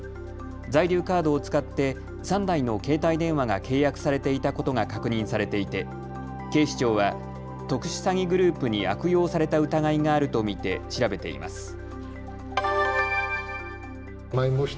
在留カードを使って３台の携帯電話が契約されていたことが確認されていて警視庁は特殊詐欺グループに悪用された疑いがあると見て調べています。